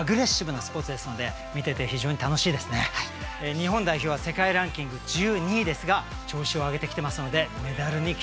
日本代表は世界ランキング１２位ですが調子を上げてきてますのでメダルに期待したいと思います。